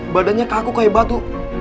badannya kaku kayak batu